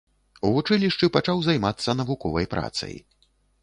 У вучылішчы пачаў займацца навуковай працай.